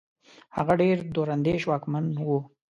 هغه ډېر دور اندېش واکمن وو.